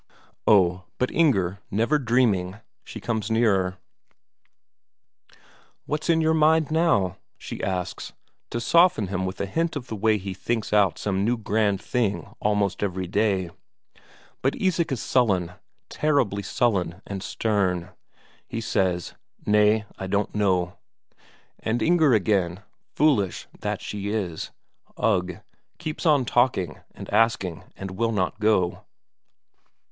Oh, but Inger, never dreaming, she comes nearer. "What's in your mind now?" she asks, to soften him with a hint of the way he thinks out some new grand thing almost every day. But Isak is sullen, terribly sullen and stern; he says: "Nay, I don't know." And Inger again, foolish that she is ugh, keeps on talking and asking and will not go.